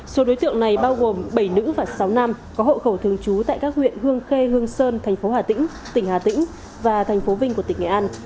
số đối tượng này bao gồm bảy nữ và sáu nam có hộ khẩu thường trú tại các huyện hương khê hương sơn thành phố hà tĩnh tỉnh hà tĩnh và thành phố vinh của tỉnh nghệ an